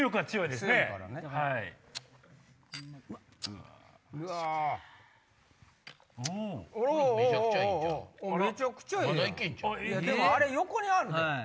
でもあれ横にあるで。